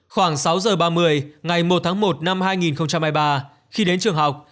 khoảng sáu giờ ba mươi ngày một tháng một năm hai nghìn hai mươi ba khi đến trường học